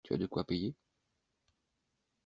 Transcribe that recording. Tu as de quoi payer?